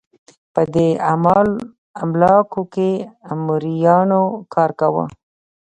په دې املاکو کې مریانو کار کاوه.